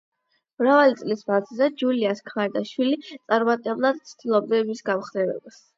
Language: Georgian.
მრავალი წლის მანძილზე ჯულიას ქმარი და შვილი წარუმატებლად ცდილობენ მის გამხნევებას.